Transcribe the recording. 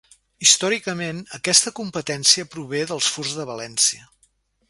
Històricament, aquesta competència prové dels furs de València.